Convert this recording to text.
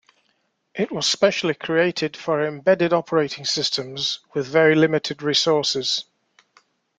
It was specifically created for embedded operating systems with very limited resources.